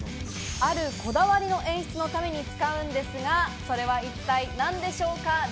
あるこだわりの演出のために使われるんですが、それは一体何でしょうか？